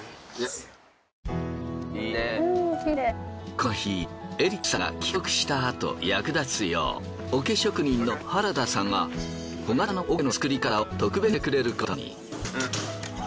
この日エリックさんが帰国したあと役立つよう桶職人の原田さんが小型の桶のつくり方を特別に教えてくれることに。